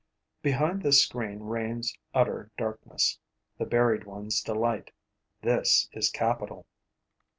Behind this screen reigns utter darkness, the buried one's delight. This is capital.